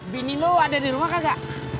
bini lo ada di rumah kagak